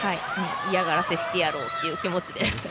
嫌がらせしてやろうという気持ちで。